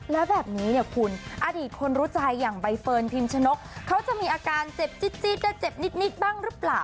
แล้วแบบนี้เนี่ยคุณอดีตคนรู้ใจอย่างใบเฟิร์นพิมชนกเขาจะมีอาการเจ็บจิ๊ดและเจ็บนิดบ้างหรือเปล่า